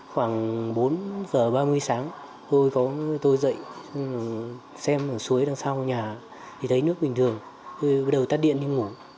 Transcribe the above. khoảng bốn giờ ba mươi sáng tôi có tôi dậy xem suối đằng sau nhà thì thấy nước bình thường tôi bắt đầu tắt điện đi ngủ